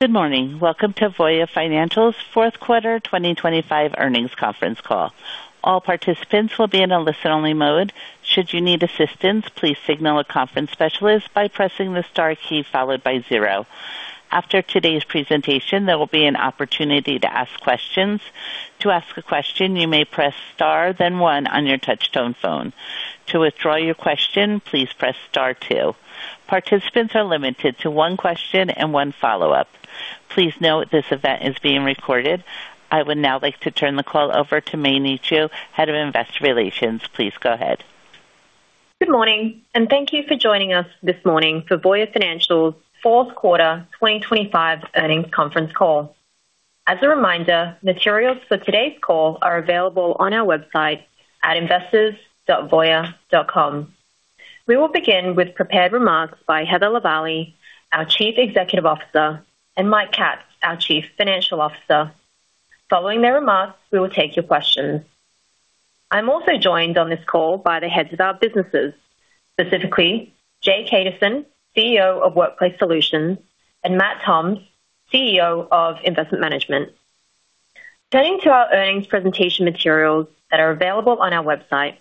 Good morning. Welcome to Voya Financial's Fourth Quarter 2025 Earnings Conference Call. All participants will be in a listen-only mode. Should you need assistance, please signal a conference specialist by pressing the star key followed by zero. After today's presentation, there will be an opportunity to ask questions. To ask a question, you may press star, then one on your touch-tone phone. To withdraw your question, please press star two. Participants are limited to one question and one follow-up. Please note this event is being recorded. I would now like to turn the call over to Mei Ni Chu, Head of Investor Relations. Please go ahead. Good morning, and thank you for joining us this morning for Voya Financial's Fourth Quarter 2025 Earnings Conference Call. As a reminder, materials for today's call are available on our website at investors.voya.com. We will begin with prepared remarks by Heather Lavallee, our Chief Executive Officer, and Mike Katz, our Chief Financial Officer. Following their remarks, we will take your questions. I'm also joined on this call by the heads of our businesses, specifically Jay Kaduson, CEO of Workplace Solutions, and Matt Toms, CEO of Investment Management. Turning to our earnings presentation materials that are available on our website.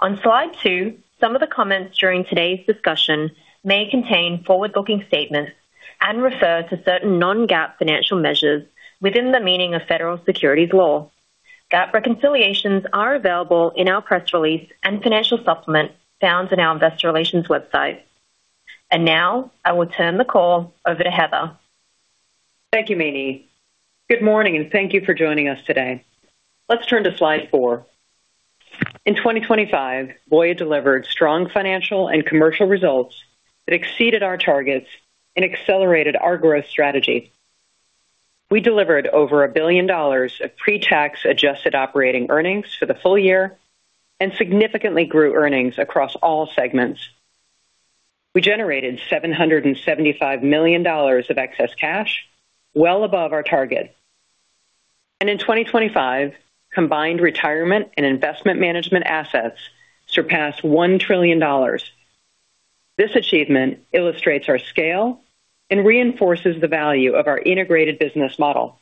On slide two, some of the comments during today's discussion may contain forward-looking statements and refer to certain non-GAAP financial measures within the meaning of federal securities law. GAAP reconciliations are available in our press release and financial supplement found on our Investor Relations website. Now I will turn the call over to Heather. Thank you, Mei Ni. Good morning, and thank you for joining us today. Let's turn to slide four. In 2025, Voya delivered strong financial and commercial results that exceeded our targets and accelerated our growth strategy. We delivered over $1 billion of pre-tax adjusted operating earnings for the full year and significantly grew earnings across all segments. We generated $775 million of excess cash, well above our target. In 2025, combined retirement and investment management assets surpassed $1 trillion. This achievement illustrates our scale and reinforces the value of our integrated business model.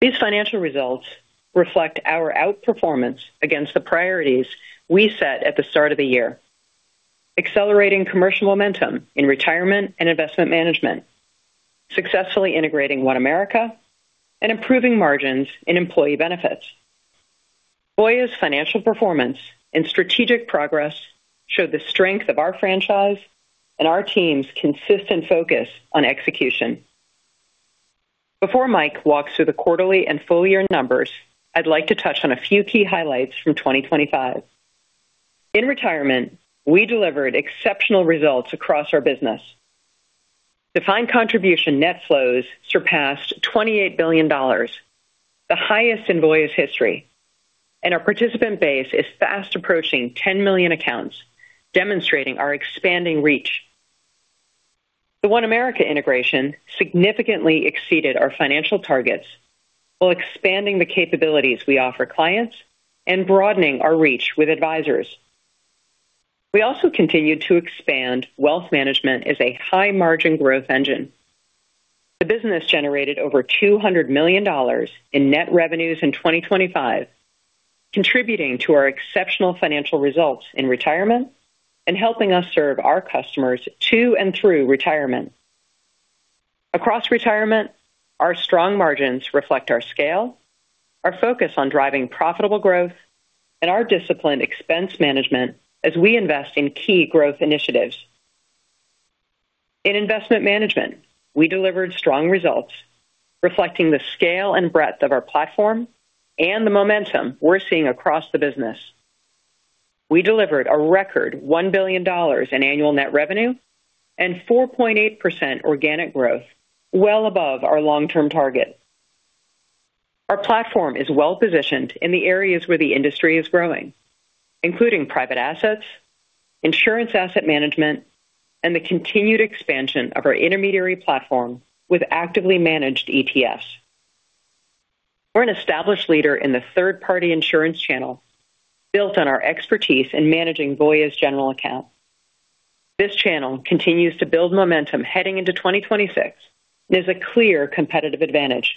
These financial results reflect our outperformance against the priorities we set at the start of the year: accelerating commercial momentum in retirement and investment management, successfully integrating OneAmerica, and improving margins in employee benefits. Voya's financial performance and strategic progress show the strength of our franchise and our team's consistent focus on execution. Before Mike walks through the quarterly and full-year numbers, I'd like to touch on a few key highlights from 2025. In retirement, we delivered exceptional results across our business. Defined Contribution net flows surpassed $28 billion, the highest in Voya's history, and our participant base is fast approaching 10 million accounts, demonstrating our expanding reach. The OneAmerica integration significantly exceeded our financial targets while expanding the capabilities we offer clients and broadening our reach with advisors. We also continued to expand Wealth Management as a high-margin growth engine. The business generated over $200 million in net revenues in 2025, contributing to our exceptional financial results in retirement and helping us serve our customers to and through retirement. Across retirement, our strong margins reflect our scale, our focus on driving profitable growth, and our disciplined expense management as we invest in key growth initiatives. In investment management, we delivered strong results reflecting the scale and breadth of our platform and the momentum we're seeing across the business. We delivered a record $1 billion in annual net revenue and 4.8% organic growth, well above our long-term target. Our platform is well-positioned in the areas where the industry is growing, including private assets, insurance asset management, and the continued expansion of our intermediary platform with actively managed ETFs. We're an established leader in the third-party insurance channel built on our expertise in managing Voya's general account. This channel continues to build momentum heading into 2026 and is a clear competitive advantage.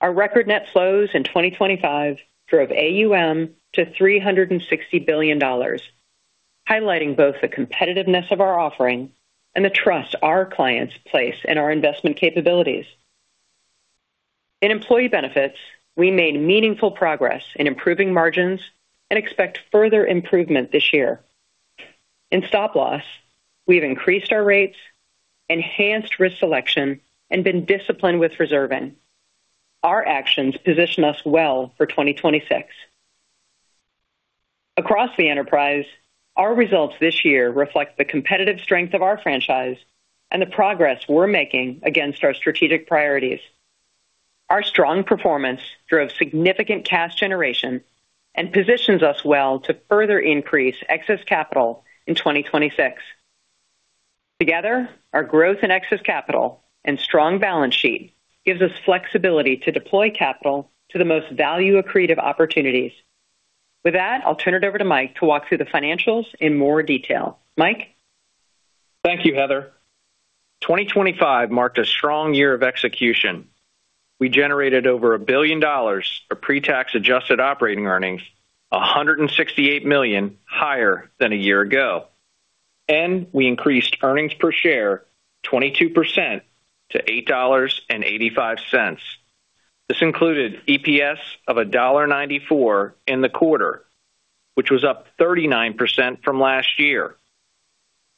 Our record net flows in 2025 drove AUM to $360 billion, highlighting both the competitiveness of our offering and the trust our clients place in our investment capabilities. In employee benefits, we made meaningful progress in improving margins and expect further improvement this year. In Stop Loss, we've increased our rates, enhanced risk selection, and been disciplined with reserving. Our actions position us well for 2026. Across the enterprise, our results this year reflect the competitive strength of our franchise and the progress we're making against our strategic priorities. Our strong performance drove significant cash generation and positions us well to further increase excess capital in 2026. Together, our growth in excess capital and strong balance sheet give us flexibility to deploy capital to the most value-accretive opportunities. With that, I'll turn it over to Mike to walk through the financials in more detail. Mike? Thank you, Heather. 2025 marked a strong year of execution. We generated over $1+ billion of pre-tax adjusted operating earnings, $168 million higher than a year ago, and we increased earnings per share 22% to $8.85. This included EPS of $1.94 in the quarter, which was up 39% from last year.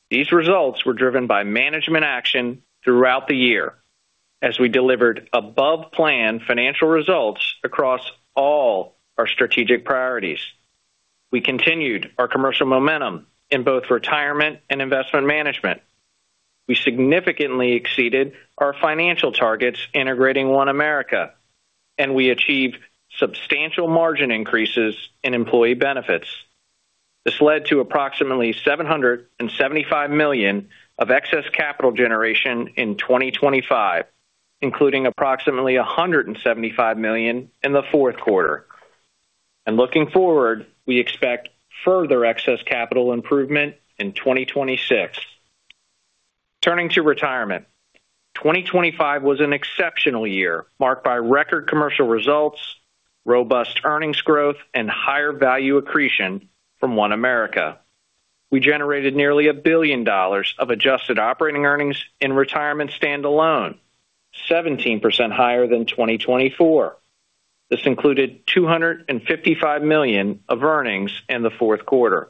These results were driven by management action throughout the year as we delivered above-plan financial results across all our strategic priorities. We continued our commercial momentum in both retirement and investment management. We significantly exceeded our financial targets integrating OneAmerica, and we achieved substantial margin increases in employee benefits. This led to approximately $775 million of excess capital generation in 2025, including approximately $175 million in the fourth quarter. Looking forward, we expect further excess capital improvement in 2026. Turning to retirement, 2025 was an exceptional year marked by record commercial results, robust earnings growth, and higher value accretion from OneAmerica. We generated nearly $1 billion of adjusted operating earnings in retirement standalone, 17% higher than 2024. This included $255 million of earnings in the fourth quarter.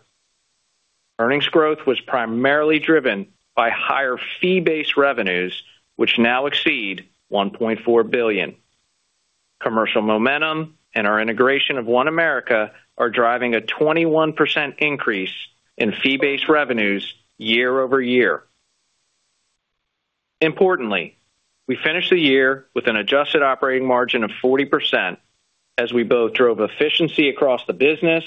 Earnings growth was primarily driven by higher fee-based revenues, which now exceed $1.4 billion. Commercial momentum and our integration of OneAmerica are driving a 21% increase in fee-based revenues year-over-year. Importantly, we finished the year with an adjusted operating margin of 40% as we both drove efficiency across the business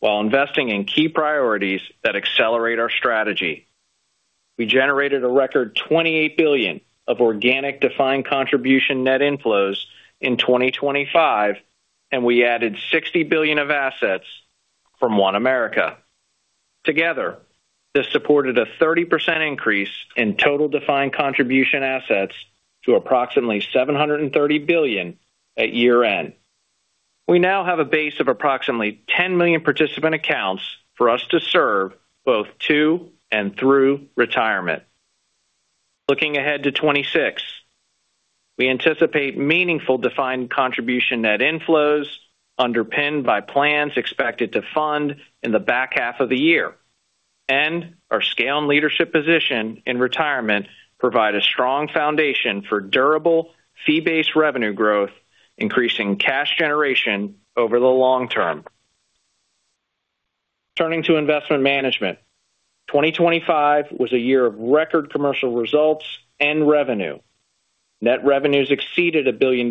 while investing in key priorities that accelerate our strategy. We generated a record $28 billion of organic defined contribution net inflows in 2025, and we added $60 billion of assets from OneAmerica. Together, this supported a 30% increase in total defined contribution assets to approximately $730 billion at year-end. We now have a base of approximately 10 million participant accounts for us to serve both to and through retirement. Looking ahead to 2026, we anticipate meaningful defined contribution net inflows underpinned by plans expected to fund in the back half of the year, and our scale and leadership position in retirement provide a strong foundation for durable fee-based revenue growth, increasing cash generation over the long term. Turning to investment management, 2025 was a year of record commercial results and revenue. Net revenues exceeded $1 billion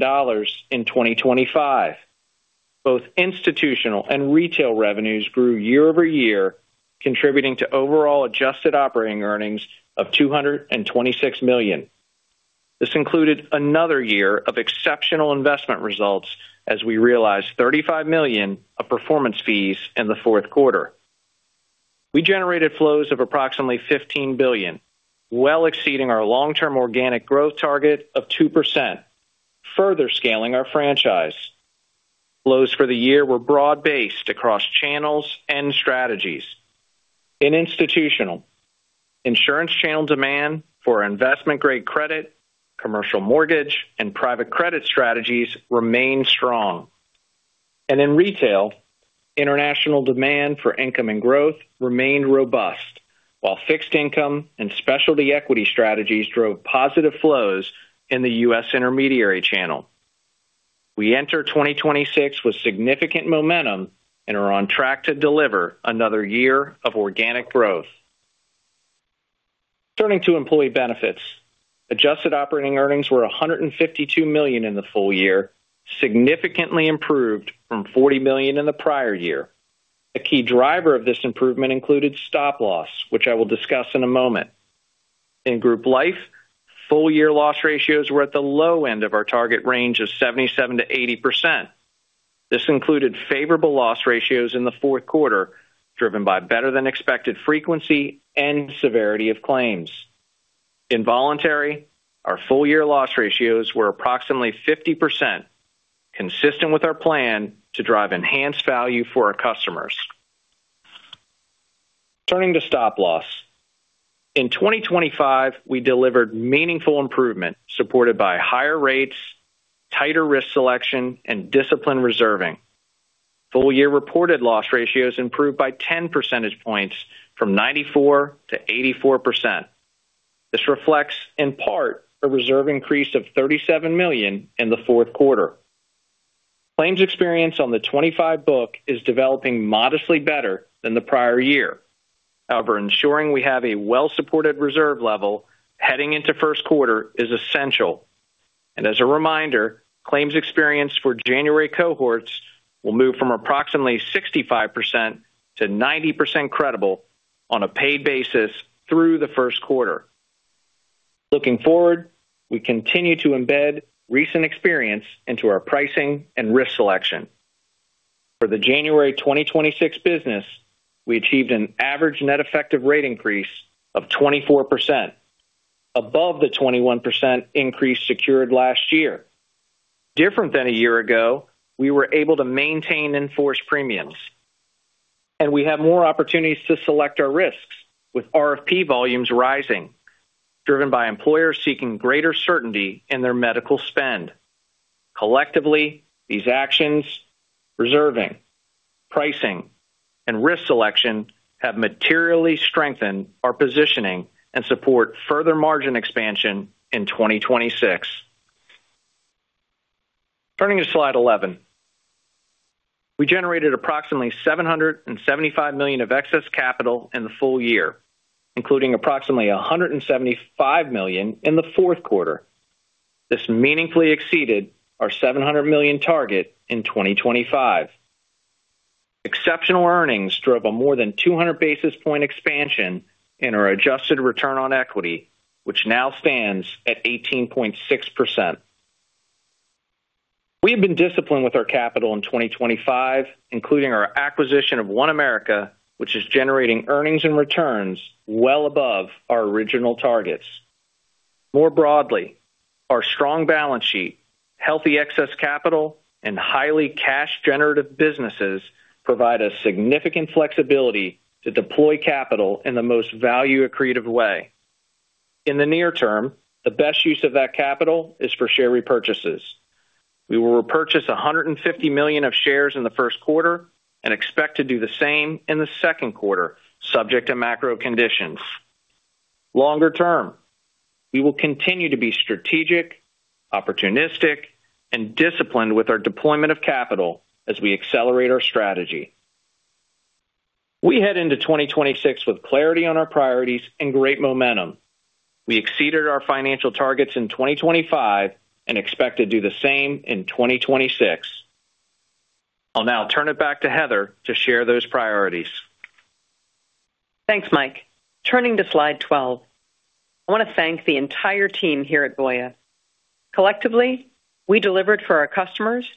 in 2025. Both institutional and retail revenues grew year-over-year, contributing to overall adjusted operating earnings of $226 million. This included another year of exceptional investment results as we realized $35 million of performance fees in the fourth quarter. We generated flows of approximately $15 billion, well exceeding our long-term organic growth target of 2%, further scaling our franchise. Flows for the year were broad-based across channels and strategies. In institutional, insurance channel demand for investment-grade credit, commercial mortgage, and private credit strategies remained strong. In retail, international demand for income and growth remained robust, while fixed income and specialty equity strategies drove positive flows in the U.S. intermediary channel. We enter 2026 with significant momentum and are on track to deliver another year of organic growth. Turning to employee benefits, adjusted operating earnings were $152 million in the full year, significantly improved from $40 million in the prior year. A key driver of this improvement included Stop Loss, which I will discuss in a moment. In group life, full-year loss ratios were at the low end of our target range of 77%-80%. This included favorable loss ratios in the fourth quarter, driven by better-than-expected frequency and severity of claims. In voluntary, our full-year loss ratios were approximately 50%, consistent with our plan to drive enhanced value for our customers. Turning to Stop Loss, in 2025, we delivered meaningful improvement supported by higher rates, tighter risk selection, and disciplined reserving. Full-year reported loss ratios improved by 10 percentage points from 94% to 84%. This reflects, in part, a reserve increase of $37 million in the fourth quarter. Claims experience on the 2025 book is developing modestly better than the prior year. However, ensuring we have a well-supported reserve level heading into first quarter is essential. As a reminder, claims experience for January cohorts will move from approximately 65%-90% credible on a paid basis through the first quarter. Looking forward, we continue to embed recent experience into our pricing and risk selection. For the January 2026 business, we achieved an average net effective rate increase of 24%, above the 21% increase secured last year. Different than a year ago, we were able to maintain enforced premiums. We have more opportunities to select our risks with RFP volumes rising, driven by employers seeking greater certainty in their medical spend. Collectively, these actions, reserving, pricing, and risk selection, have materially strengthened our positioning and support further margin expansion in 2026. Turning to slide 11, we generated approximately $775 million of excess capital in the full year, including approximately $175 million in the fourth quarter. This meaningfully exceeded our $700 million target in 2025. Exceptional earnings drove a more than 200 basis point expansion in our adjusted return on equity, which now stands at 18.6%. We have been disciplined with our capital in 2025, including our acquisition of OneAmerica, which is generating earnings and returns well above our original targets. More broadly, our strong balance sheet, healthy excess capital, and highly cash-generative businesses provide us significant flexibility to deploy capital in the most value-accretive way. In the near term, the best use of that capital is for share repurchases. We will repurchase $150 million of shares in the first quarter and expect to do the same in the second quarter, subject to macro conditions. Longer term, we will continue to be strategic, opportunistic, and disciplined with our deployment of capital as we accelerate our strategy. We head into 2026 with clarity on our priorities and great momentum. We exceeded our financial targets in 2025 and expect to do the same in 2026. I'll now turn it back to Heather to share those priorities. Thanks, Mike. Turning to slide 12, I want to thank the entire team here at Voya. Collectively, we delivered for our customers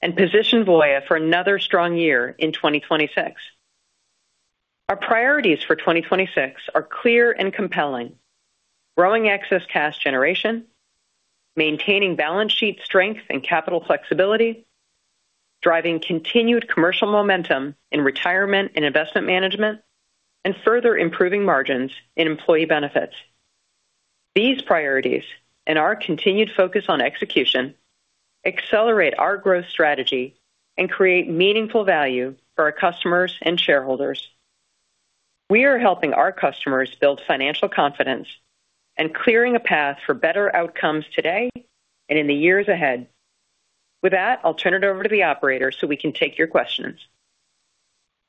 and positioned Voya for another strong year in 2026. Our priorities for 2026 are clear and compelling: growing excess cash generation, maintaining balance sheet strength and capital flexibility, driving continued commercial momentum in retirement and investment management, and further improving margins in employee benefits. These priorities and our continued focus on execution accelerate our growth strategy and create meaningful value for our customers and shareholders. We are helping our customers build financial confidence and clearing a path for better outcomes today and in the years ahead. With that, I'll turn it over to the operator so we can take your questions.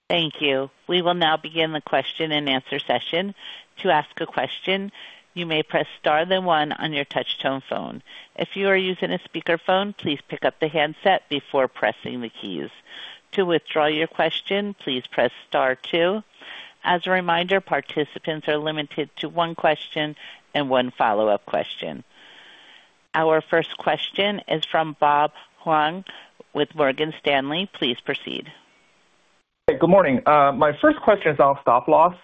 Thank you. We will now begin the question and answer session. To ask a question, you may press star, then one on your touch-tone phone. If you are using a speakerphone, please pick up the handset before pressing the keys. To withdraw your question, please press star two. As a reminder, participants are limited to one question and one follow-up question. Our first question is from Bob Huang with Morgan Stanley. Please proceed. Good morning. My first question is on Stop Loss,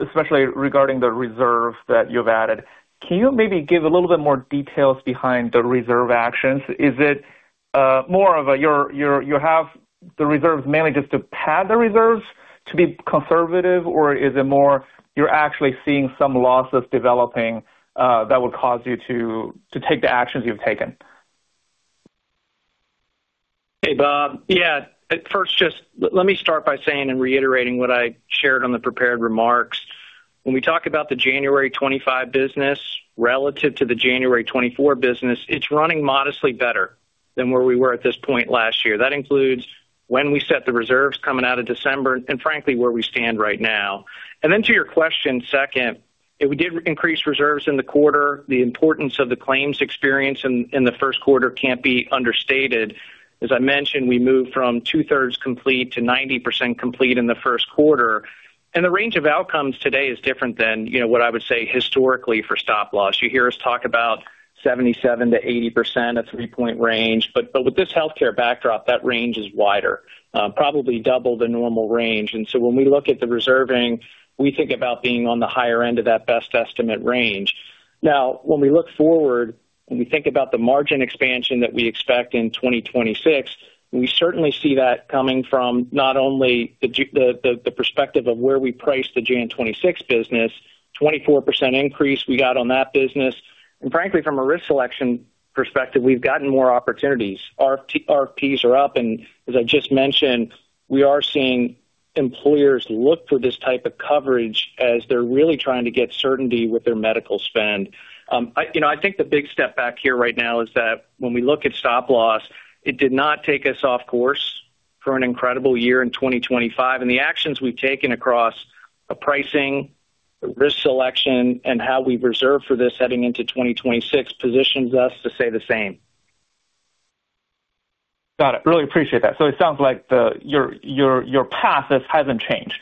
especially regarding the reserve that you've added. Can you maybe give a little bit more details behind the reserve actions? Is it more of a you have the reserves mainly just to pad the reserves, to be conservative, or is it more you're actually seeing some losses developing that would cause you to take the actions you've taken? Hey, Bob. Yeah. First, just let me start by saying and reiterating what I shared on the prepared remarks. When we talk about the January 2025 business relative to the January 2024 business, it's running modestly better than where we were at this point last year. That includes when we set the reserves coming out of December and, frankly, where we stand right now. And then to your question, second, if we did increase reserves in the quarter, the importance of the claims experience in the first quarter can't be understated. As I mentioned, we moved from two-thirds complete to 90% complete in the first quarter. And the range of outcomes today is different than what I would say historically for Stop Loss. You hear us talk about 77%-80%, a three-point range. But with this healthcare backdrop, that range is wider, probably double the normal range. So when we look at the reserving, we think about being on the higher end of that best estimate range. Now, when we look forward and we think about the margin expansion that we expect in 2026, we certainly see that coming from not only the perspective of where we priced the January 2026 business, 24% increase we got on that business. And frankly, from a risk selection perspective, we've gotten more opportunities. RFPs are up. And as I just mentioned, we are seeing employers look for this type of coverage as they're really trying to get certainty with their medical spend. I think the big step back here right now is that when we look at Stop Loss, it did not take us off course for an incredible year in 2025. The actions we've taken across the pricing, the risk selection, and how we've reserved for this heading into 2026 positions us to say the same. Got it. Really appreciate that. So it sounds like your path hasn't changed.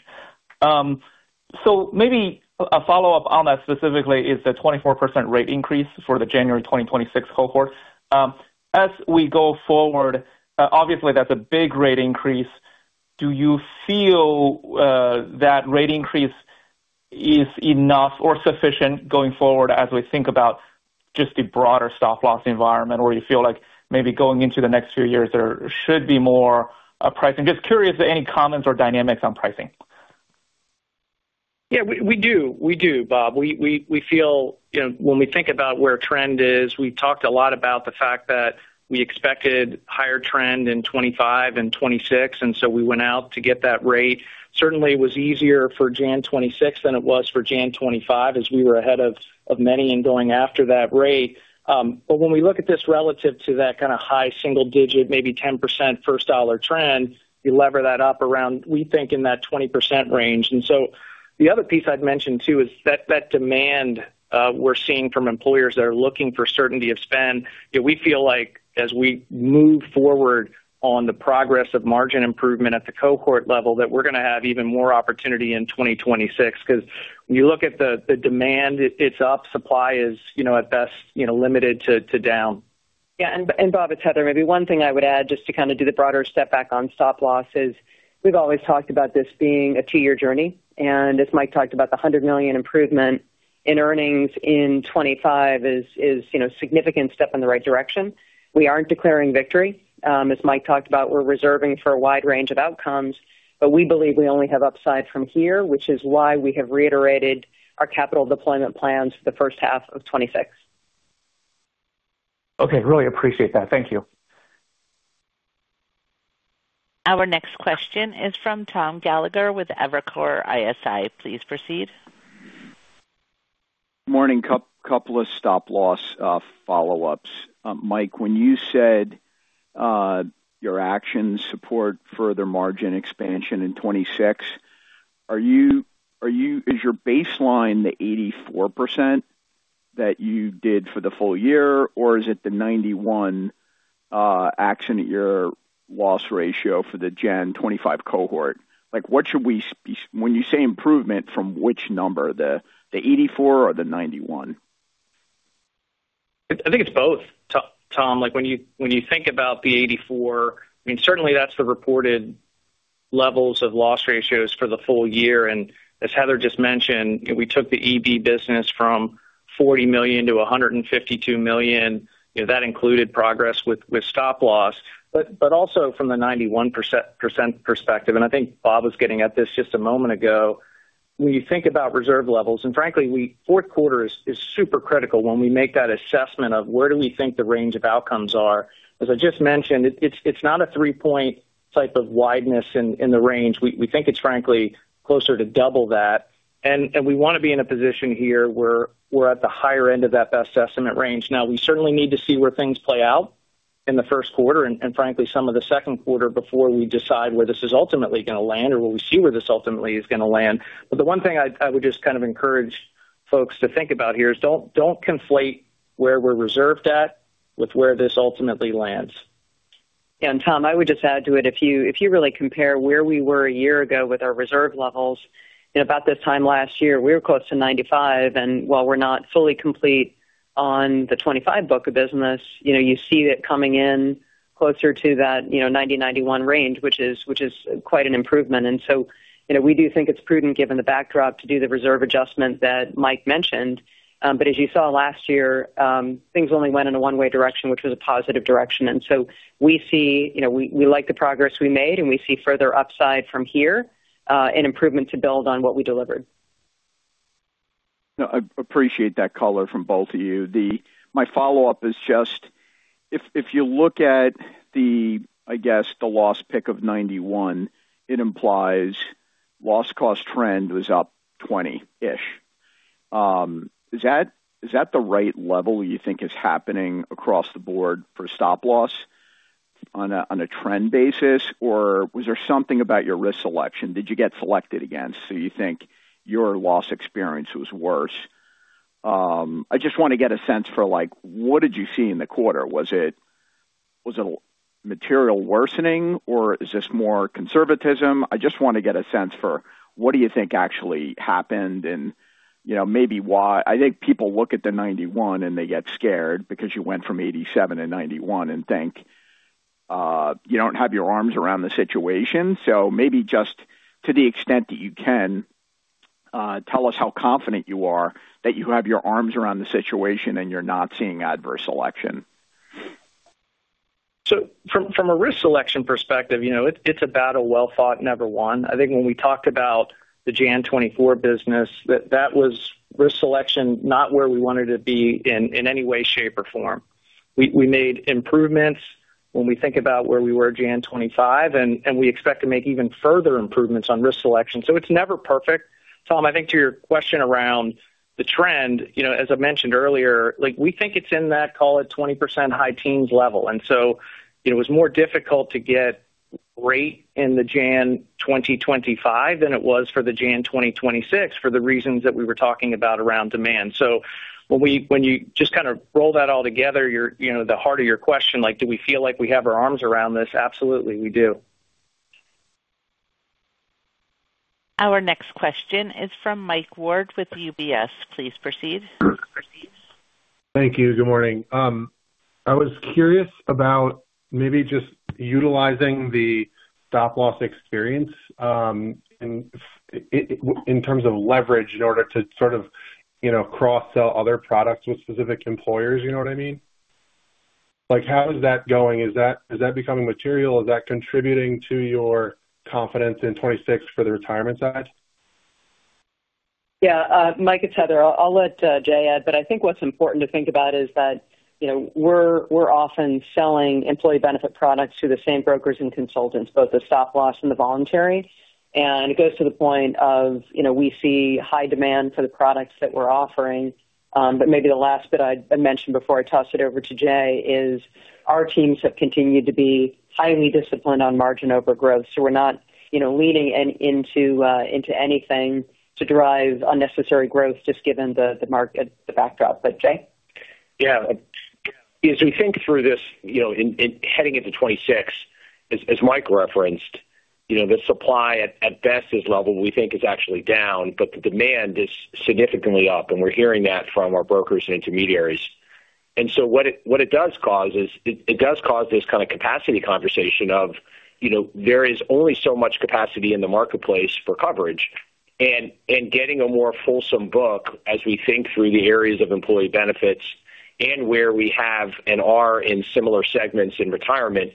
So maybe a follow-up on that specifically is the 24% rate increase for the January 2026 cohort. As we go forward, obviously, that's a big rate increase. Do you feel that rate increase is enough or sufficient going forward as we think about just the broader Stop Loss environment, or do you feel like maybe going into the next few years there should be more pricing? Just curious any comments or dynamics on pricing? Yeah, we do. We do, Bob. We feel when we think about where trend is, we've talked a lot about the fact that we expected higher trend in 2025 and 2026. And so we went out to get that rate. Certainly, it was easier for January 2026 than it was for January 2025 as we were ahead of many and going after that rate. But when we look at this relative to that kind of high single-digit, maybe 10% first-dollar trend, you lever that up around, we think, in that 20% range. And so the other piece I'd mentioned, too, is that demand we're seeing from employers that are looking for certainty of spend. We feel like as we move forward on the progress of margin improvement at the cohort level, that we're going to have even more opportunity in 2026 because when you look at the demand, it's up. Supply is, at best, limited to down. Yeah. And Bob, it's Heather. Maybe one thing I would add just to kind of do the broader step back on Stop Loss is we've always talked about this being a two-year journey. And as Mike talked about, the $100 million improvement in earnings in 2025 is a significant step in the right direction. We aren't declaring victory. As Mike talked about, we're reserving for a wide range of outcomes. But we believe we only have upside from here, which is why we have reiterated our capital deployment plans for the first half of 2026. Okay. Really appreciate that. Thank you. Our next question is from Tom Gallagher with Evercore ISI. Please proceed. Good morning. Couple of Stop Loss follow-ups. Mike, when you said your actions support further margin expansion in 2026, is your baseline the 84% that you did for the full year, or is it the 91% your loss ratio for the January 2025 cohort? When you say improvement, from which number, the 84% or the 91%? I think it's both, Tom. When you think about the 84%, I mean, certainly, that's the reported levels of loss ratios for the full year. And as Heather just mentioned, we took the EB business from $40 million-$152 million. That included progress with Stop Loss. But also from the 91% perspective - and I think Bob was getting at this just a moment ago - when you think about reserve levels and frankly, fourth quarter is super critical when we make that assessment of where do we think the range of outcomes are. As I just mentioned, it's not a three-point type of wideness in the range. We think it's, frankly, closer to double that. And we want to be in a position here where we're at the higher end of that best estimate range. Now, we certainly need to see where things play out in the first quarter and, frankly, some of the second quarter before we decide where this is ultimately going to land or where we see where this ultimately is going to land. But the one thing I would just kind of encourage folks to think about here is don't conflate where we're reserved at with where this ultimately lands. Yeah. And Tom, I would just add to it, if you really compare where we were a year ago with our reserve levels, in about this time last year, we were close to 95%. And while we're not fully complete on the 2025 book of business, you see it coming in closer to that 90%-91% range, which is quite an improvement. And so we do think it's prudent, given the backdrop, to do the reserve adjustments that Mike mentioned. But as you saw last year, things only went in a one-way direction, which was a positive direction. And so we see we like the progress we made, and we see further upside from here and improvement to build on what we delivered. I appreciate the color from both of you. My follow-up is just if you look at, I guess, the loss ratio of 91%, it implies loss-cost trend was up 20-ish. Is that the right level you think is happening across the board for Stop Loss on a trend basis, or was there something about your risk selection? Did you get selected against so you think your loss experience was worse? I just want to get a sense for what did you see in the quarter? Was it material worsening, or is this more conservatism? I just want to get a sense for what do you think actually happened and maybe why. I think people look at the 91% and they get scared because you went from 87%-91% and think you don't have your arms around the situation. Maybe just to the extent that you can, tell us how confident you are that you have your arms around the situation and you're not seeing adverse selection? So from a risk selection perspective, it's a battle well thought, never won. I think when we talked about the January 2024 business, that was risk selection not where we wanted to be in any way, shape, or form. We made improvements when we think about where we were in January 2025, and we expect to make even further improvements on risk selection. So it's never perfect. Tom, I think to your question around the trend, as I mentioned earlier, we think it's in that, call it, 20% high teens level. And so it was more difficult to get rate in the January 2025 than it was for the January 2026 for the reasons that we were talking about around demand. So when you just kind of roll that all together, the heart of your question, do we feel like we have our arms around this? Absolutely, we do. Our next question is from Mike Ward with UBS. Please proceed. Thank you. Good morning. I was curious about maybe just utilizing the Stop Loss experience in terms of leverage in order to sort of cross-sell other products with specific employers. You know what I mean? How is that going? Is that becoming material? Is that contributing to your confidence in 2026 for the retirement side? Yeah. Mike and Heather, I'll let Jay add. But I think what's important to think about is that we're often selling employee benefit products to the same brokers and consultants, both the Stop Loss and the voluntary. And it goes to the point of we see high demand for the products that we're offering. But maybe the last bit I'd mention before I toss it over to Jay is our teams have continued to be highly disciplined on margin overgrowth. So we're not leaning into anything to drive unnecessary growth just given the backdrop. But Jay? Yeah. As we think through this heading into 2026, as Mike referenced, the supply, at best, is level. We think it's actually down, but the demand is significantly up. We're hearing that from our brokers and intermediaries. So what it does cause is it does cause this kind of capacity conversation of there is only so much capacity in the marketplace for coverage. Getting a more fulsome book as we think through the areas of employee benefits and where we have and are in similar segments in retirement,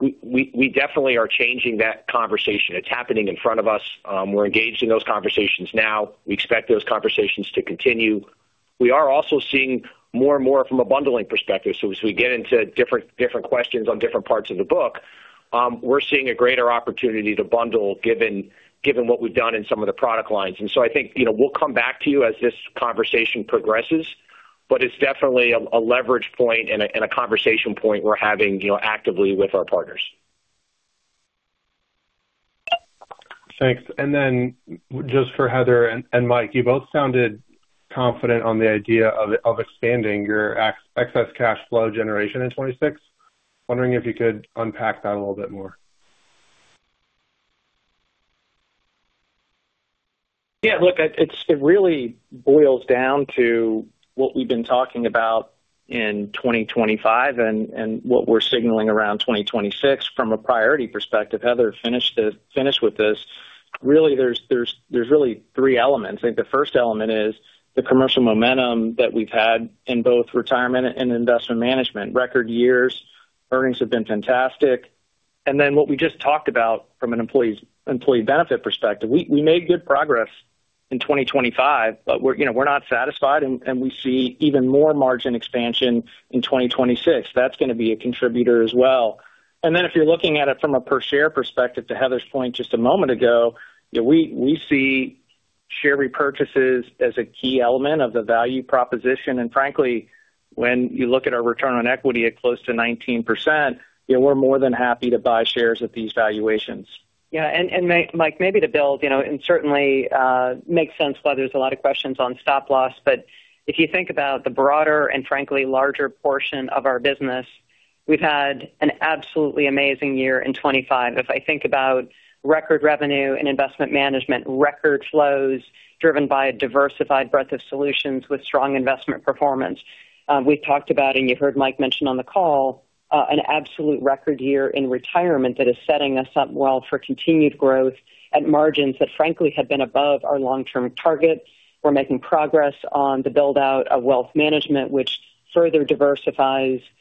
we definitely are changing that conversation. It's happening in front of us. We're engaged in those conversations now. We expect those conversations to continue. We are also seeing more and more from a bundling perspective. So as we get into different questions on different parts of the book, we're seeing a greater opportunity to bundle given what we've done in some of the product lines. And so I think we'll come back to you as this conversation progresses. But it's definitely a leverage point and a conversation point we're having actively with our partners. Thanks. And then just for Heather and Mike, you both sounded confident on the idea of expanding your excess cash flow generation in 2026. Wondering if you could unpack that a little bit more? Yeah. Look, it really boils down to what we've been talking about in 2025 and what we're signaling around 2026 from a priority perspective. Heather, finish with this. Really, there's really three elements. I think the first element is the commercial momentum that we've had in both retirement and investment management. Record years. Earnings have been fantastic. And then what we just talked about from an employee benefit perspective, we made good progress in 2025, but we're not satisfied. And we see even more margin expansion in 2026. That's going to be a contributor as well. And then if you're looking at it from a per-share perspective, to Heather's point just a moment ago, we see share repurchases as a key element of the value proposition. And frankly, when you look at our return on equity, it's close to 19%. We're more than happy to buy shares at these valuations. Yeah. And Mike, maybe to build, and certainly, it makes sense why there's a lot of questions on Stop Loss. But if you think about the broader and, frankly, larger portion of our business, we've had an absolutely amazing year in 2025. If I think about record revenue and Investment Management, record flows driven by a diversified breadth of solutions with strong investment performance, we've talked about, and you heard Mike mention on the call, an absolute record year in Retirement that is setting us up well for continued growth at margins that, frankly, had been above our long-term targets. We're making progress on the build-out of Wealth Management, which further diversifies that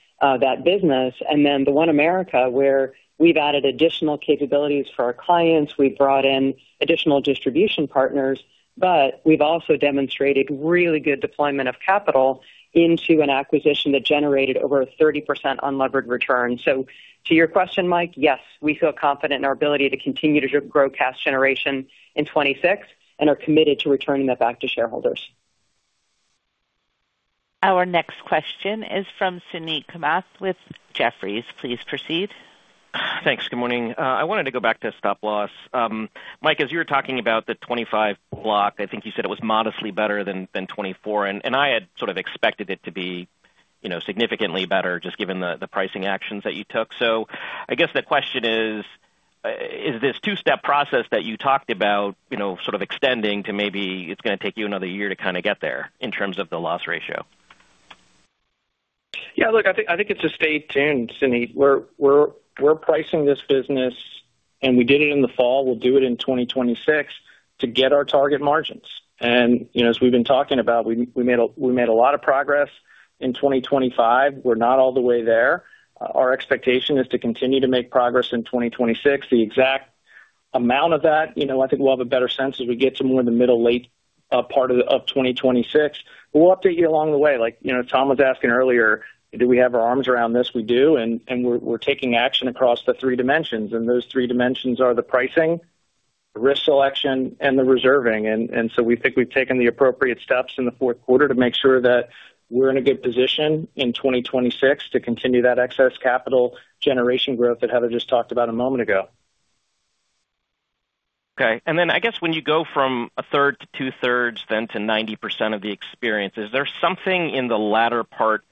business. And then the OneAmerica, where we've added additional capabilities for our clients. We've brought in additional distribution partners. We've also demonstrated really good deployment of capital into an acquisition that generated over a 30% unlevered return. To your question, Mike, yes, we feel confident in our ability to continue to grow cash generation in 2026 and are committed to returning that back to shareholders. Our next question is from Suneet Kamath with Jefferies. Please proceed. Thanks. Good morning. I wanted to go back to Stop Loss. Mike, as you were talking about the 2025 block, I think you said it was modestly better than 2024. I had sort of expected it to be significantly better just given the pricing actions that you took. I guess the question is, is this two-step process that you talked about sort of extending to maybe it's going to take you another year to kind of get there in terms of the Loss Ratio? Yeah. Look, I think it's a stay tuned, Suneep. We're pricing this business, and we did it in the fall. We'll do it in 2026 to get our target margins. And as we've been talking about, we made a lot of progress in 2025. We're not all the way there. Our expectation is to continue to make progress in 2026. The exact amount of that, I think we'll have a better sense as we get to more of the middle-late part of 2026. But we'll update you along the way. Tom was asking earlier, do we have our arms around this? We do. And we're taking action across the three dimensions. And those three dimensions are the pricing, the risk selection, and the reserving. And so we think we've taken the appropriate steps in the fourth quarter to make sure that we're in a good position in 2026 to continue that excess capital generation growth that Heather just talked about a moment ago. Okay. And then I guess when you go from a 1/3 to 2/3, then to 90% of the experience, is there something in the latter part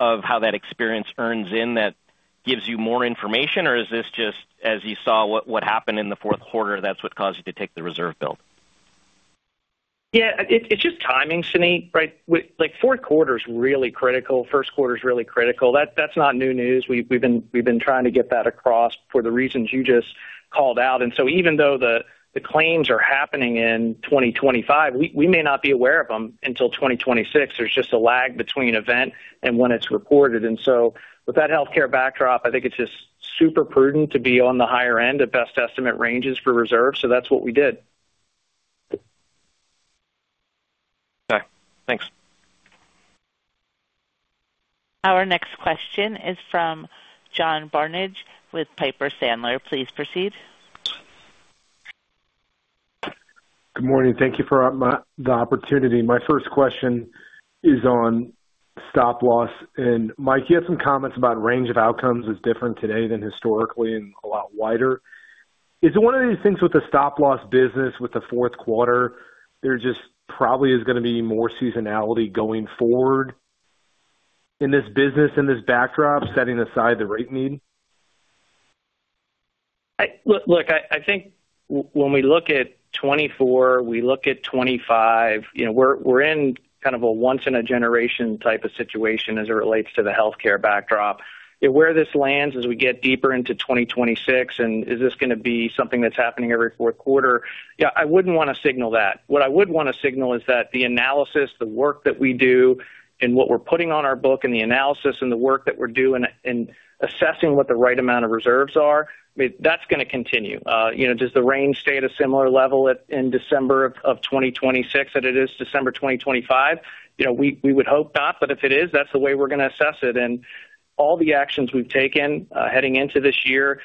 of how that experience earns in that gives you more information, or is this just, as you saw what happened in the fourth quarter, that's what caused you to take the reserve build? Yeah. It's just timing, Suneep, right? Fourth quarter's really critical. First quarter's really critical. That's not new news. We've been trying to get that across for the reasons you just called out. And so even though the claims are happening in 2025, we may not be aware of them until 2026. There's just a lag between event and when it's reported. And so with that healthcare backdrop, I think it's just super prudent to be on the higher end of best estimate ranges for reserves. So that's what we did. Okay. Thanks. Our next question is from John Barnidge with Piper Sandler. Please proceed. Good morning. Thank you for the opportunity. My first question is on Stop Loss. And Mike, you had some comments about range of outcomes is different today than historically and a lot wider. Is it one of these things with the Stop Loss business with the fourth quarter, there just probably is going to be more seasonality going forward in this business, in this backdrop, setting aside the rate need? Look, I think when we look at 2024, we look at 2025. We're in kind of a once-in-a-generation type of situation as it relates to the healthcare backdrop. Where this lands as we get deeper into 2026, and is this going to be something that's happening every fourth quarter? Yeah, I wouldn't want to signal that. What I would want to signal is that the analysis, the work that we do, and what we're putting on our book, and the analysis and the work that we're doing in assessing what the right amount of reserves are, that's going to continue. Does the range stay at a similar level in December of 2026 that it is December 2025? We would hope not. But if it is, that's the way we're going to assess it. All the actions we've taken heading into this year,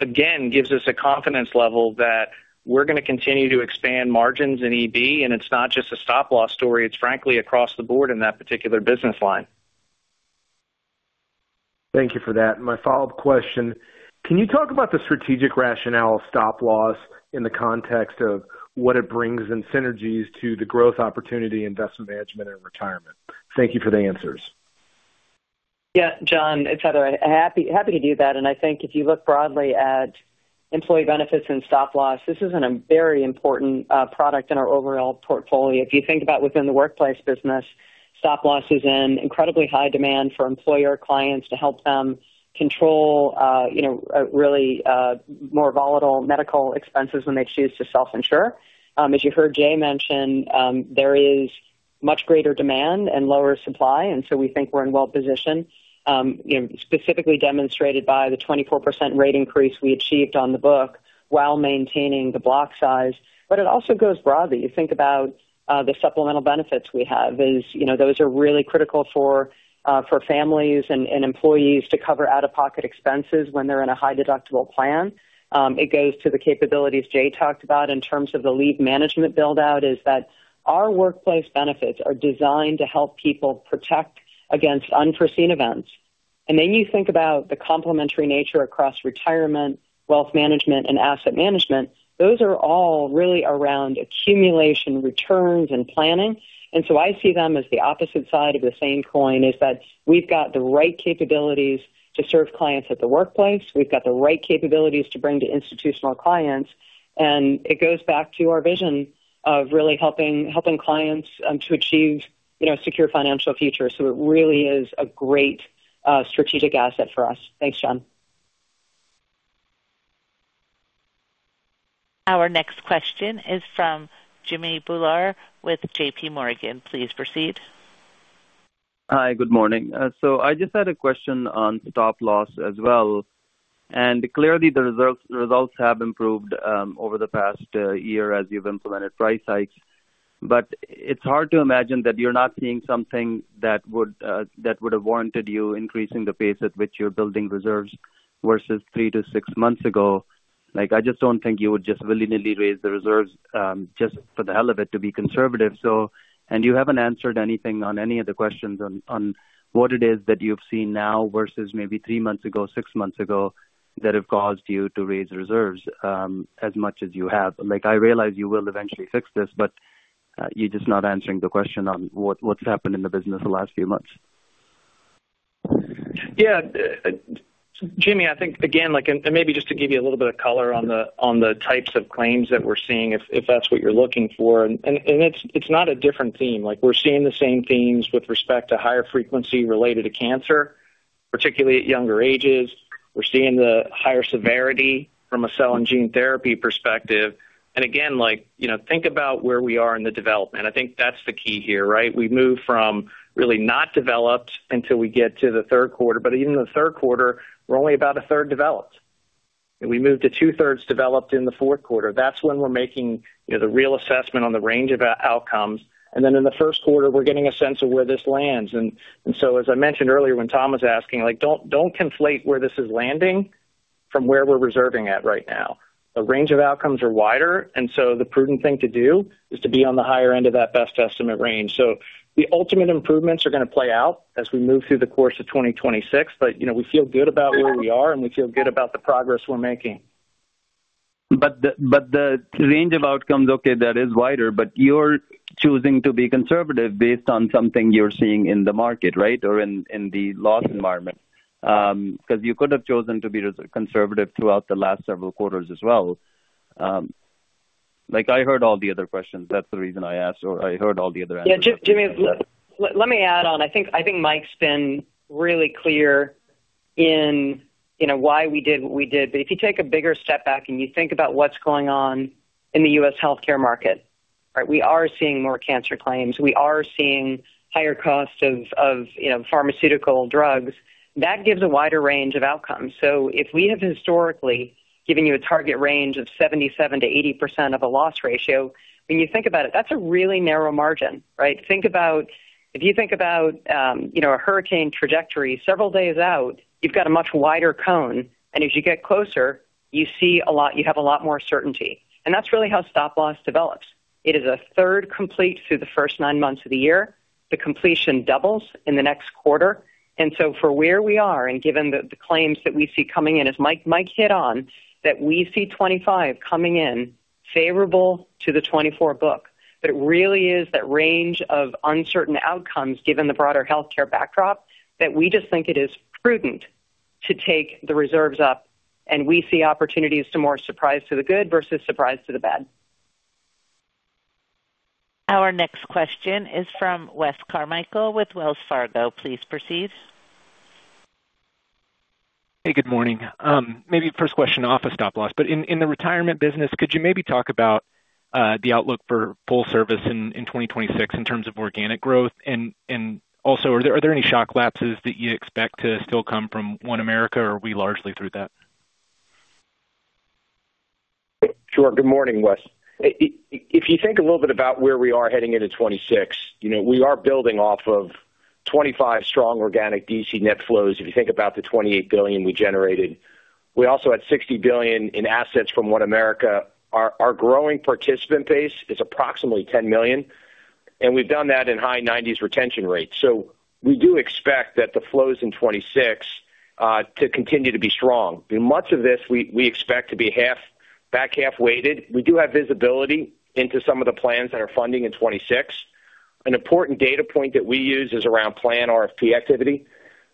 again, gives us a confidence level that we're going to continue to expand margins in EB. It's not just a Stop Loss story. It's, frankly, across the board in that particular business line. Thank you for that. My follow-up question, can you talk about the strategic rationale of Stop Loss in the context of what it brings in synergies to the growth opportunity, Investment Management, and Retirement? Thank you for the answers. Yeah, John. It's Heather, happy to do that. I think if you look broadly at Employee Benefits and Stop Loss, this is a very important product in our overall portfolio. If you think about within the Workplace Solutions business, Stop Loss is an incredibly high demand for employer clients to help them control really more volatile medical expenses when they choose to self-insure. As you heard Jay mention, there is much greater demand and lower supply. So we think we're in a well-positioned spot, specifically demonstrated by the 24% rate increase we achieved on the book while maintaining the block size. But it also goes broadly. You think about the supplemental benefits we have. Those are really critical for families and employees to cover out-of-pocket expenses when they're in a high-deductible plan. It goes to the capabilities Jay talked about in terms of the leave management build-out, is that our workplace benefits are designed to help people protect against unforeseen events. And then you think about the complementary nature across retirement, wealth management, and asset management. Those are all really around accumulation returns and planning. And so I see them as the opposite side of the same coin, is that we've got the right capabilities to serve clients at the workplace. We've got the right capabilities to bring to institutional clients. And it goes back to our vision of really helping clients to achieve a secure financial future. So it really is a great strategic asset for us. Thanks, John. Our next question is from Jimmy Bhullar with JPMorgan. Please proceed. Hi. Good morning. I just had a question on Stop Loss as well. Clearly, the results have improved over the past year as you've implemented price hikes. It's hard to imagine that you're not seeing something that would have warranted you increasing the pace at which you're building reserves versus three to six months ago. I just don't think you would just willy-nilly raise the reserves just for the hell of it to be conservative. You haven't answered anything on any of the questions on what it is that you've seen now versus maybe 3 months ago, 6 months ago that have caused you to raise reserves as much as you have. I realize you will eventually fix this, but you're just not answering the question on what's happened in the business the last few months. Yeah. Jimmy, I think, again, and maybe just to give you a little bit of color on the types of claims that we're seeing, if that's what you're looking for. It's not a different theme. We're seeing the same themes with respect to higher frequency related to cancer, particularly at younger ages. We're seeing the higher severity from a cell and gene therapy perspective. Again, think about where we are in the development. I think that's the key here, right? We move from really not developed until we get to the third quarter. Even in the third quarter, we're only about a third developed. We moved to 2/3 developed in the fourth quarter. That's when we're making the real assessment on the range of outcomes. Then in the first quarter, we're getting a sense of where this lands. And so as I mentioned earlier when Tom was asking, don't conflate where this is landing from where we're reserving at right now. The range of outcomes are wider. And so the prudent thing to do is to be on the higher end of that best estimate range. So the ultimate improvements are going to play out as we move through the course of 2026. But we feel good about where we are, and we feel good about the progress we're making. But the range of outcomes, okay, that is wider. But you're choosing to be conservative based on something you're seeing in the market, right, or in the loss environment? Because you could have chosen to be conservative throughout the last several quarters as well. I heard all the other questions. That's the reason I asked, or I heard all the other answers. Yeah. Jimmy, let me add on. I think Mike's been really clear in why we did what we did. But if you take a bigger step back and you think about what's going on in the U.S. healthcare market, right, we are seeing more cancer claims. We are seeing higher cost of pharmaceutical drugs. That gives a wider range of outcomes. So if we have historically given you a target range of 77%-80% of a loss ratio, when you think about it, that's a really narrow margin, right? If you think about a hurricane trajectory, several days out, you've got a much wider cone. And as you get closer, you have a lot more certainty. And that's really how Stop Loss develops. It is a third complete through the first nine months of the year. The completion doubles in the next quarter. And so for where we are and given the claims that we see coming in, as Mike hit on, that we see 2025 coming in favorable to the 2024 book, that it really is that range of uncertain outcomes given the broader healthcare backdrop that we just think it is prudent to take the reserves up. And we see opportunities to more surprise to the good versus surprise to the bad. Our next question is from Wes Carmichael with Wells Fargo. Please proceed. Hey. Good morning. Maybe first question off of Stop Loss. But in the retirement business, could you maybe talk about the outlook for full service in 2026 in terms of organic growth? And also, are there any shock lapses that you expect to still come from OneAmerica, or are we largely through that? Sure. Good morning, Wes. If you think a little bit about where we are heading into 2026, we are building off of 2025 strong organic DC net flows. If you think about the $28 billion we generated, we also had $60 billion in assets from OneAmerica. Our growing participant base is approximately 10 million. And we've done that in high 90s retention rates. So we do expect that the flows in 2026 to continue to be strong. Much of this, we expect to be back half-weighted. We do have visibility into some of the plans that are funding in 2026. An important data point that we use is around plan RFP activity.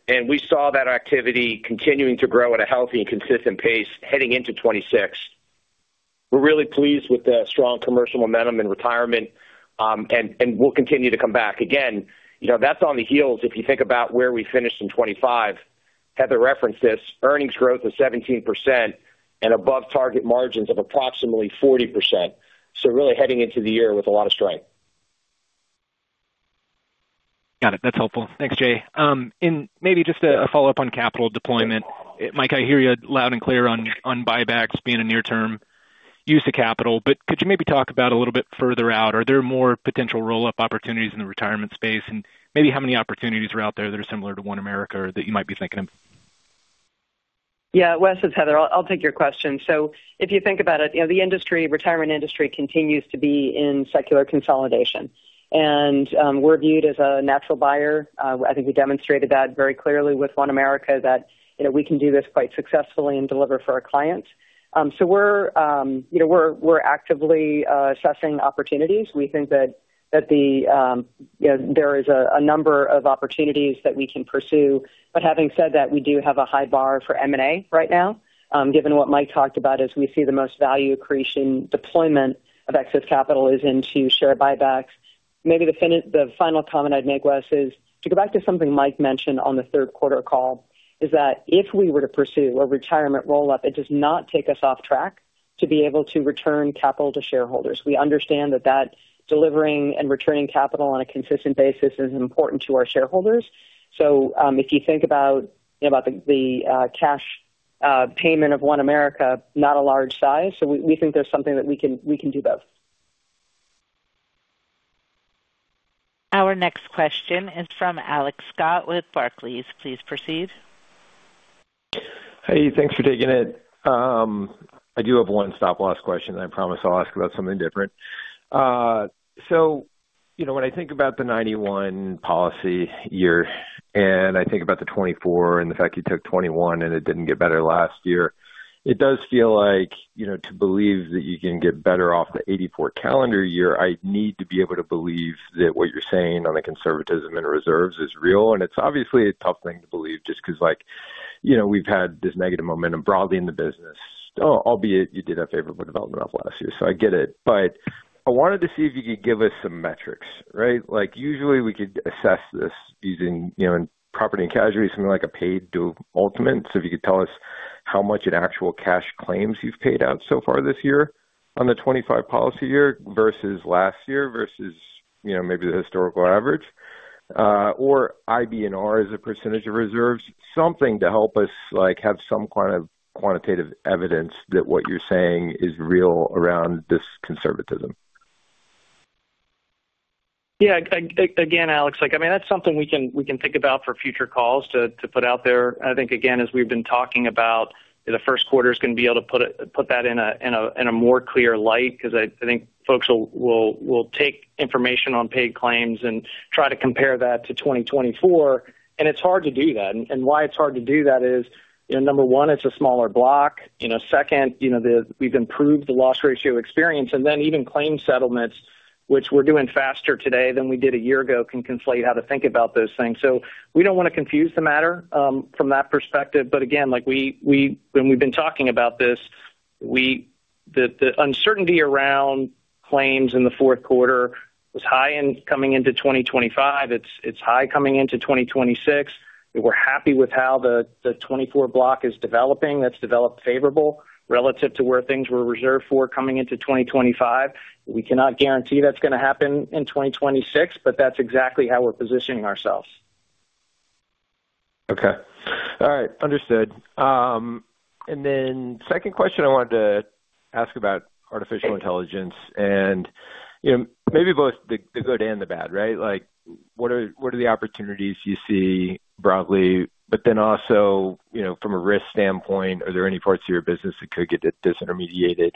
And we saw that activity continuing to grow at a healthy and consistent pace heading into 2026. We're really pleased with the strong commercial momentum in retirement. And we'll continue to come back. Again, that's on the heels of if you think about where we finished in 2025. Heather referenced this. Earnings growth of 17% and above-target margins of approximately 40%. So really heading into the year with a lot of strength. Got it. That's helpful. Thanks, Jay. Maybe just a follow-up on capital deployment. Mike, I hear you loud and clear on buybacks being a near-term use of capital. Could you maybe talk about a little bit further out? Are there more potential roll-up opportunities in the retirement space? Maybe how many opportunities are out there that are similar to OneAmerica that you might be thinking of? Yeah. Wes, it's Heather. I'll take your question. So if you think about it, the retirement industry continues to be in secular consolidation. And we're viewed as a natural buyer. I think we demonstrated that very clearly with OneAmerica, that we can do this quite successfully and deliver for our clients. So we're actively assessing opportunities. We think that there is a number of opportunities that we can pursue. But having said that, we do have a high bar for M&A right now, given what Mike talked about, as we see the most value accretion deployment of excess capital is into share buybacks. Maybe the final comment I'd make, Wes, is to go back to something Mike mentioned on the third-quarter call, is that if we were to pursue a retirement roll-up, it does not take us off track to be able to return capital to shareholders. We understand that delivering and returning capital on a consistent basis is important to our shareholders. So if you think about the cash payment of OneAmerica, not a large size. So we think there's something that we can do both. Our next question is from Alex Scott with Barclays. Please proceed. Hey. Thanks for taking it. I do have one Stop Loss question. I promise I'll ask about something different. So when I think about the 1991 policy year, and I think about the 2024 and the fact you took 2021 and it didn't get better last year, it does feel like, to believe that you can get better off the 1984 calendar year, I need to be able to believe that what you're saying on the conservatism and reserves is real. And it's obviously a tough thing to believe just because we've had this negative momentum broadly in the business, albeit you did have favorable development off last year. So I get it. But I wanted to see if you could give us some metrics, right? Usually, we could assess this using in property and casualty, something like a paid dual ultimate. So if you could tell us how much in actual cash claims you've paid out so far this year on the 2025 policy year versus last year versus maybe the historical average, or IBNR as a percentage of reserves, something to help us have some kind of quantitative evidence that what you're saying is real around this conservatism. Yeah. Again, Alex, I mean, that's something we can think about for future calls to put out there. I think, again, as we've been talking about, the first quarter is going to be able to put that in a more clear light because I think folks will take information on paid claims and try to compare that to 2024. And it's hard to do that. And why it's hard to do that is, number one, it's a smaller block. Second, we've improved the loss ratio experience. And then even claim settlements, which we're doing faster today than we did a year ago, can conflate how to think about those things. So we don't want to confuse the matter from that perspective. But again, when we've been talking about this, the uncertainty around claims in the fourth quarter was high coming into 2025. It's high coming into 2026. We're happy with how the 2024 block is developing. That's developed favorable relative to where things were reserved for coming into 2025. We cannot guarantee that's going to happen in 2026, but that's exactly how we're positioning ourselves. Okay. All right. Understood. And then second question, I wanted to ask about artificial intelligence and maybe both the good and the bad, right? What are the opportunities you see broadly? But then also from a risk standpoint, are there any parts of your business that could get disintermediated?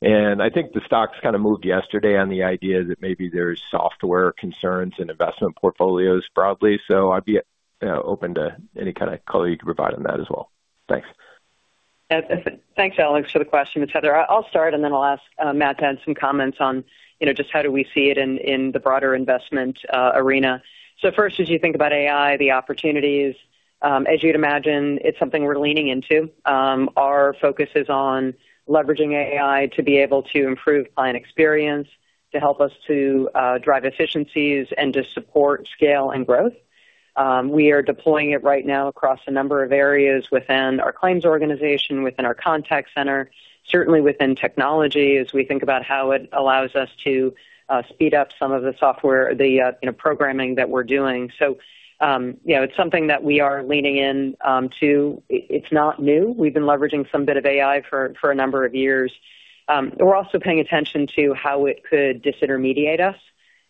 And I think the stock's kind of moved yesterday on the idea that maybe there's software concerns in investment portfolios broadly. So I'd be open to any kind of color you could provide on that as well. Thanks. Yeah. Thanks, Alex, for the question, Heather. I'll start, and then I'll ask Matt to add some comments on just how we see it in the broader investment arena. So first, as you think about AI, the opportunities, as you'd imagine, it's something we're leaning into. Our focus is on leveraging AI to be able to improve client experience, to help us to drive efficiencies, and to support scale and growth. We are deploying it right now across a number of areas within our claims organization, within our contact center, certainly within technology as we think about how it allows us to speed up some of the software or the programming that we're doing. So it's something that we are leaning into. It's not new. We've been leveraging some bit of AI for a number of years. We're also paying attention to how it could disintermediate us.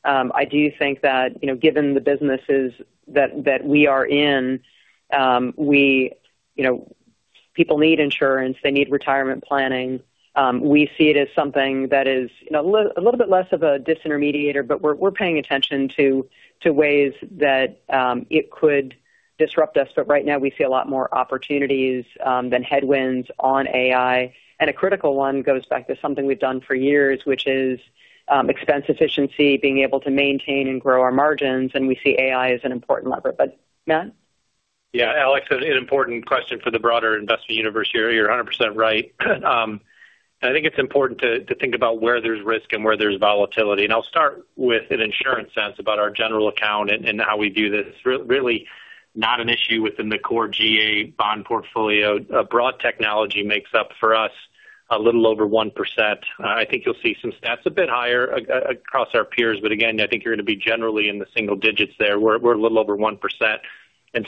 I do think that given the businesses that we are in, people need insurance. They need retirement planning. We see it as something that is a little bit less of a disintermediator, but we're paying attention to ways that it could disrupt us. But right now, we see a lot more opportunities than headwinds on AI. And a critical one goes back to something we've done for years, which is expense efficiency, being able to maintain and grow our margins. And we see AI as an important lever. But Matt? Yeah. Alex, an important question for the broader investment universe here. You're 100% right. I think it's important to think about where there's risk and where there's volatility. I'll start with an insurance sense about our general account and how we view this. It's really not an issue within the core GA bond portfolio. Broad technology makes up for us a little over 1%. I think you'll see some stats a bit higher across our peers. But again, I think you're going to be generally in the single digits there. We're a little over 1%.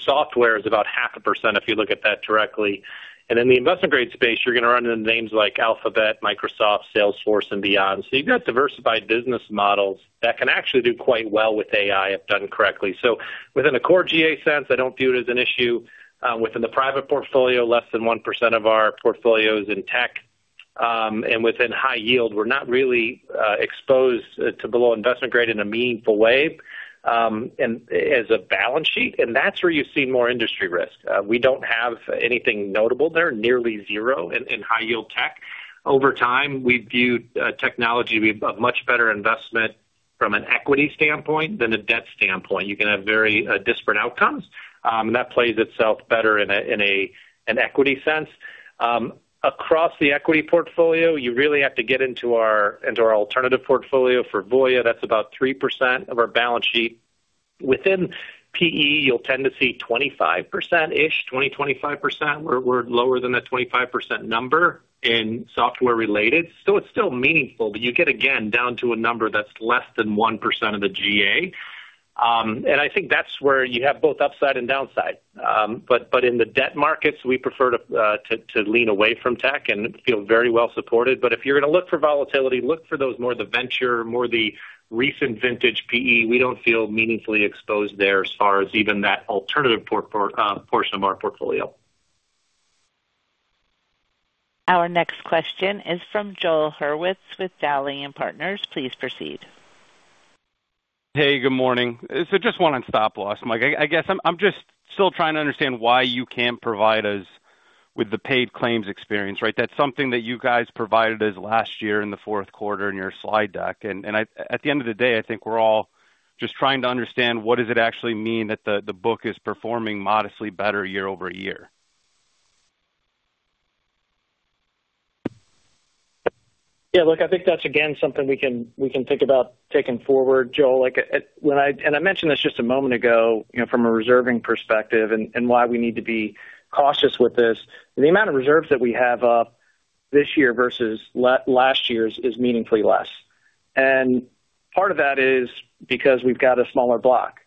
Software is about 0.5% if you look at that directly. In the investment-grade space, you're going to run into names like Alphabet, Microsoft, Salesforce, and beyond. So you've got diversified business models that can actually do quite well with AI if done correctly. So within a core GAAP sense, I don't view it as an issue. Within the private portfolio, less than 1% of our portfolio is in tech. And within high yield, we're not really exposed to below-investment-grade in a meaningful way as a balance sheet. And that's where you see more industry risk. We don't have anything notable there, nearly zero in high-yield tech. Over time, we've viewed technology a much better investment from an equity standpoint than a debt standpoint. You can have very disparate outcomes. And that plays itself better in an equity sense. Across the equity portfolio, you really have to get into our alternative portfolio for Voya. That's about 3% of our balance sheet. Within PE, you'll tend to see 25%-ish, 20%-25%. We're lower than that 25% number in software-related. So it's still meaningful, but you get, again, down to a number that's less than 1% of the GA. And I think that's where you have both upside and downside. But in the debt markets, we prefer to lean away from tech and feel very well supported. But if you're going to look for volatility, look for those more of the venture, more of the recent vintage PE. We don't feel meaningfully exposed there as far as even that alternative portion of our portfolio. Our next question is from Joel Hurwitz with Dowling & Partners. Please proceed. Hey. Good morning. So just one on Stop Loss, Mike. I guess I'm just still trying to understand why you can't provide us with the paid claims experience, right? That's something that you guys provided us last year in the fourth quarter in your slide deck. And at the end of the day, I think we're all just trying to understand what does it actually mean that the book is performing modestly better year-over-year. Yeah. Look, I think that's, again, something we can think about taking forward, Joel. I mentioned this just a moment ago from a reserving perspective and why we need to be cautious with this. The amount of reserves that we have up this year versus last year is meaningfully less. Part of that is because we've got a smaller block.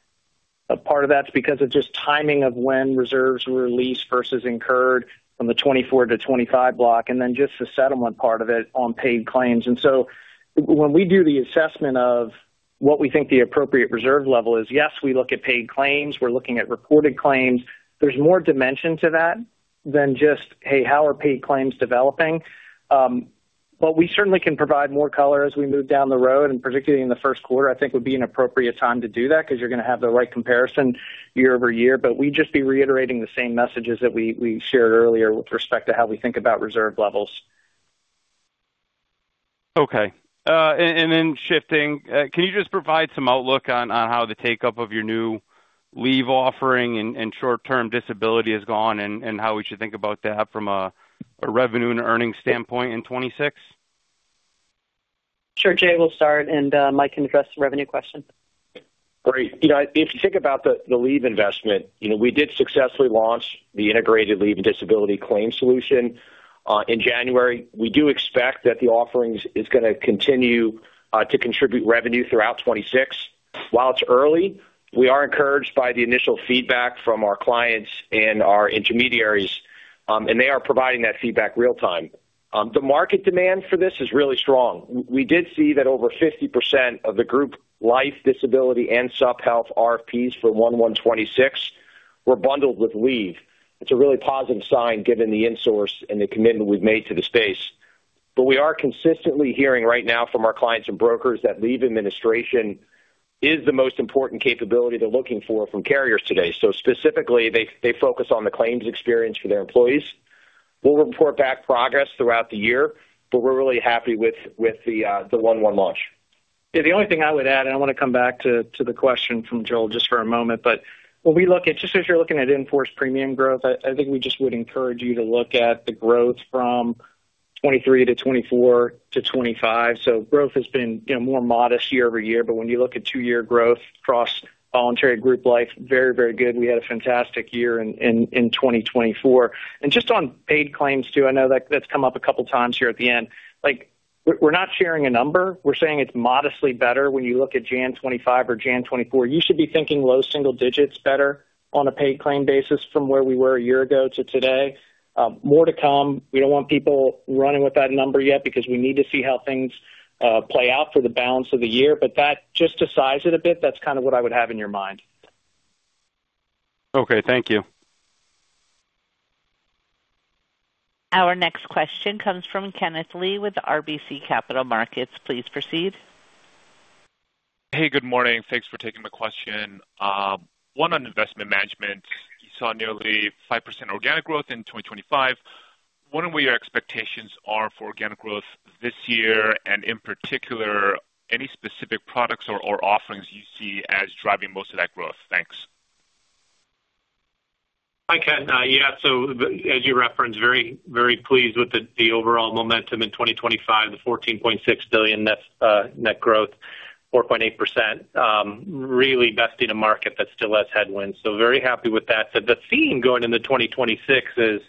Part of that's because of just timing of when reserves were released versus incurred from the 2024 to 2025 block, and then just the settlement part of it on paid claims. So when we do the assessment of what we think the appropriate reserve level is, yes, we look at paid claims. We're looking at reported claims. There's more dimension to that than just, "Hey, how are paid claims developing?" But we certainly can provide more color as we move down the road, and particularly in the first quarter, I think would be an appropriate time to do that because you're going to have the right comparison year-over-year. But we'd just be reiterating the same messages that we shared earlier with respect to how we think about reserve levels. Okay. And then, shifting, can you just provide some outlook on how the take-up of your new leave offering and short-term disability has gone and how we should think about that from a revenue and earnings standpoint in 2026? Sure. Jay will start, and Mike can address the revenue question. Great. If you think about the leave investment, we did successfully launch the Integrated Leave and Disability Claim Solution in January. We do expect that the offering is going to continue to contribute revenue throughout 2026. While it's early, we are encouraged by the initial feedback from our clients and our intermediaries. And they are providing that feedback real-time. The market demand for this is really strong. We did see that over 50% of the Group Life, disability, and Supplemental Health RFPs for 1/1/2026 were bundled with leave. It's a really positive sign given the investment and the commitment we've made to the space. But we are consistently hearing right now from our clients and brokers that leave administration is the most important capability they're looking for from carriers today. So specifically, they focus on the claims experience for their employees. We'll report back progress throughout the year, but we're really happy with the 1/1 launch. Yeah. The only thing I would add, and I want to come back to the question from Joel just for a moment, but when we look at just as you're looking at in-force premium growth, I think we just would encourage you to look at the growth from 2023 to 2024 to 2025. So growth has been more modest year-over-year. But when you look at two-year growth across Voluntary Group Life, very, very good. We had a fantastic year in 2024. And just on paid claims too, I know that's come up a couple of times here at the end. We're not sharing a number. We're saying it's modestly better when you look at January 2025 or January 2024. You should be thinking low single digits better on a paid claim basis from where we were a year ago to today. More to come. We don't want people running with that number yet because we need to see how things play out for the balance of the year. But that just sizes it a bit. That's kind of what I would have in your mind. Okay. Thank you. Our next question comes from Kenneth Lee with RBC Capital Markets. Please proceed. Hey. Good morning. Thanks for taking my question. One on investment management. You saw nearly 5% organic growth in 2025. What are your expectations for organic growth this year and in particular, any specific products or offerings you see as driving most of that growth? Thanks. Hi, Ken. Yeah. So as you referenced, very, very pleased with the overall momentum in 2025, the $14.6 billion net growth, 4.8%, really besting a market that still has headwinds. So very happy with that. So the theme going into 2026 is,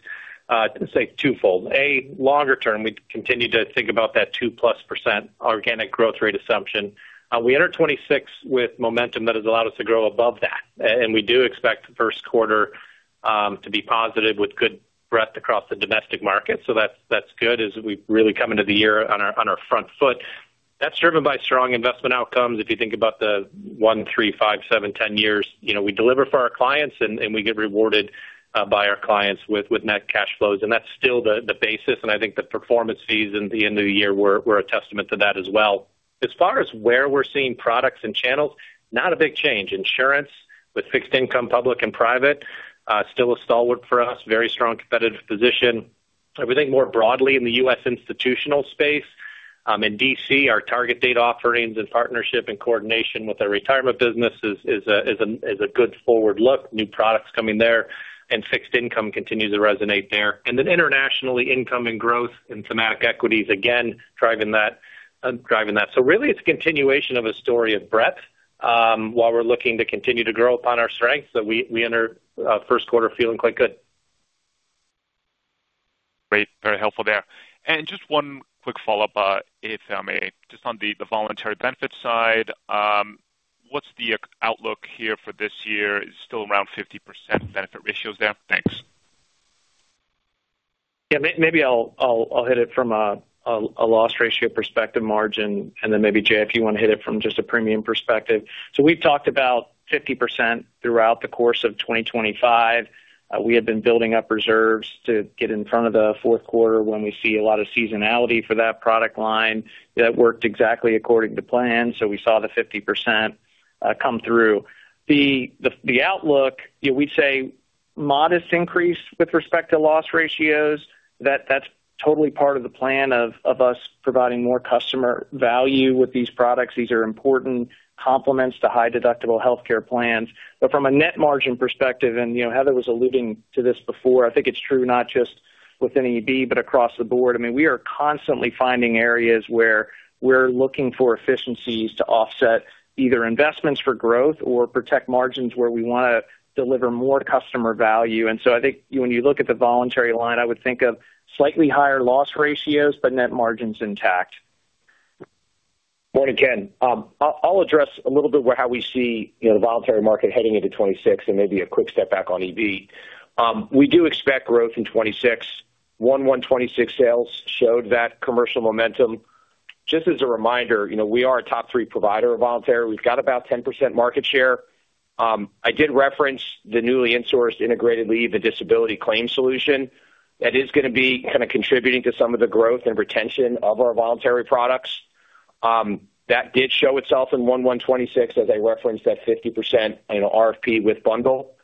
I'd say, twofold. A, longer term, we continue to think about that 2%+ organic growth rate assumption. We enter 2026 with momentum that has allowed us to grow above that. And we do expect the first quarter to be positive with good breadth across the domestic market. So that's good as we've really come into the year on our front foot. That's driven by strong investment outcomes. If you think about the one, three, five, seven, 10 years, we deliver for our clients, and we get rewarded by our clients with net cash flows. And that's still the basis. I think the performance fees at the end of the year were a testament to that as well. As far as where we're seeing products and channels, not a big change. Insurance with fixed income, public and private, still a stalwart for us, very strong competitive position. If we think more broadly in the U.S. institutional space, in DC, our target date offerings and partnership and coordination with our retirement business is a good forward look. New products coming there, and fixed income continues to resonate there. And then internationally, income and growth in thematic equities, again, driving that. So really, it's a continuation of a story of breadth while we're looking to continue to grow upon our strengths. So we enter first quarter feeling quite good. Great. Very helpful there. Just one quick follow-up, if I may. Just on the voluntary benefit side, what's the outlook here for this year? Is it still around 50% benefit ratios there? Thanks. Yeah. Maybe I'll hit it from a loss ratio perspective, margin. And then maybe, Jay, if you want to hit it from just a premium perspective. So we've talked about 50% throughout the course of 2025. We had been building up reserves to get in front of the fourth quarter when we see a lot of seasonality for that product line. That worked exactly according to plan. So we saw the 50% come through. The outlook, we'd say modest increase with respect to loss ratios. That's totally part of the plan of us providing more customer value with these products. These are important complements to high-deductible health plans. But from a net margin perspective, and Heather was alluding to this before, I think it's true not just within EB but across the board. I mean, we are constantly finding areas where we're looking for efficiencies to offset either investments for growth or protect margins where we want to deliver more customer value. And so I think when you look at the voluntary line, I would think of slightly higher loss ratios but net margins intact. Morning, Ken. I'll address a little bit how we see the voluntary market heading into 2026 and maybe a quick step back on EB. We do expect growth in 2026. 1/1/2026 sales showed that commercial momentum. Just as a reminder, we are a top three provider of voluntary. We've got about 10% market share. I did reference the newly insourced Integrated Leave and Disability Claim Solution. That is going to be kind of contributing to some of the growth and retention of our voluntary products. That did show itself in 1/1/2026 as I referenced that 50% RFP with bundle.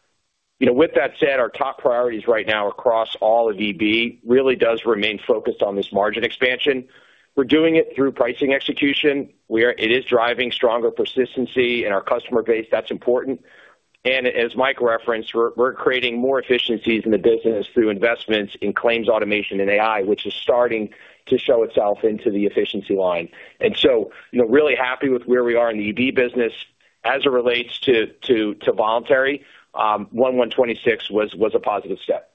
With that said, our top priorities right now across all of EB really does remain focused on this margin expansion. We're doing it through pricing execution. It is driving stronger persistency in our customer base. That's important. As Mike referenced, we're creating more efficiencies in the business through investments in claims automation and AI, which is starting to show itself into the efficiency line. So really happy with where we are in the EB business as it relates to voluntary. 1/1/2026 was a positive step.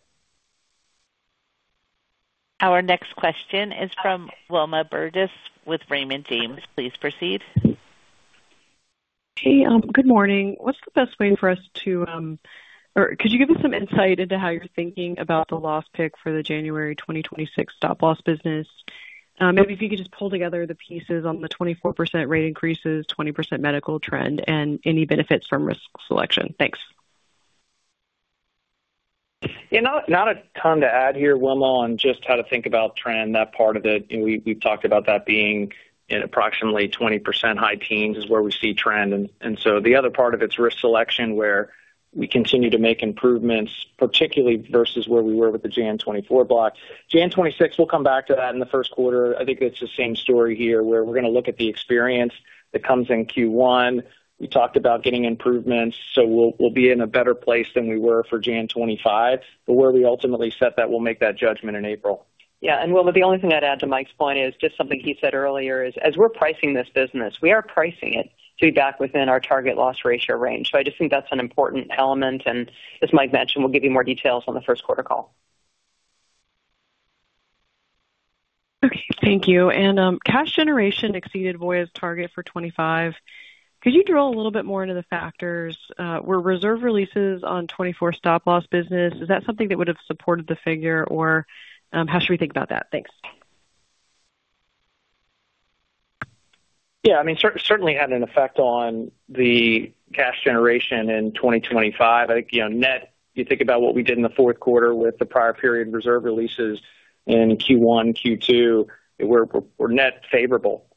Our next question is from Wilma Burdis with Raymond James. Please proceed. Hey. Good morning. What's the best way for us to or could you give us some insight into how you're thinking about the loss pick for the January 2026 Stop Loss business? Maybe if you could just pull together the pieces on the 24% rate increases, 20% medical trend, and any benefits from risk selection. Thanks. Not a ton to add here, Wilma, on just how to think about trend, that part of it. We've talked about that being in approximately 20% high teens is where we see trend. And so the other part of it's risk selection where we continue to make improvements, particularly versus where we were with the January 2024 block. January 2026, we'll come back to that in the first quarter. I think it's the same story here where we're going to look at the experience that comes in Q1. We talked about getting improvements. So we'll be in a better place than we were for January 2025. But where we ultimately set that, we'll make that judgment in April. Yeah. And Wilma, the only thing I'd add to Mike's point is just something he said earlier is as we're pricing this business, we are pricing it to be back within our target loss ratio range. So I just think that's an important element. And as Mike mentioned, we'll give you more details on the first quarter call. Okay. Thank you. Cash generation exceeded Voya's target for 2025. Could you drill a little bit more into the factors? Were reserve releases on 2024 Stop Loss business? Is that something that would have supported the figure, or how should we think about that? Thanks. Yeah. I mean, certainly had an effect on the cash generation in 2025. I think net, you think about what we did in the fourth quarter with the prior period reserve releases in Q1, Q2, we're net favorable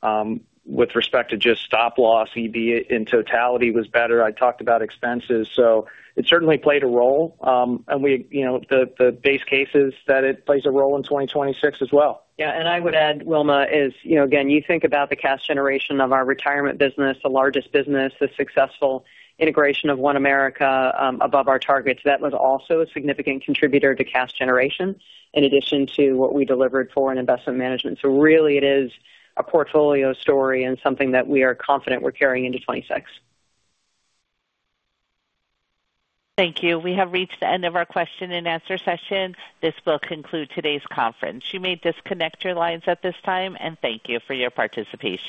with respect to just Stop Loss. EB in totality was better. I talked about expenses. So it certainly played a role. And the base case is that it plays a role in 2026 as well. Yeah. And I would add, Wilma, is again, you think about the cash generation of our retirement business, the largest business, the successful integration of OneAmerica above our targets. That was also a significant contributor to cash generation in addition to what we delivered for in investment management. So really, it is a portfolio story and something that we are confident we're carrying into 2026. Thank you. We have reached the end of our question and answer session. This will conclude today's conference. You may disconnect your lines at this time. And thank you for your participation.